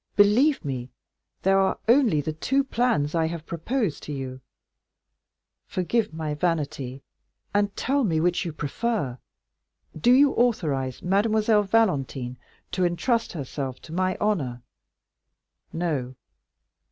Believe me, there are only the two plans I have proposed to you; forgive my vanity, and tell me which you prefer. Do you authorize Mademoiselle Valentine to intrust herself to my honor?" "No."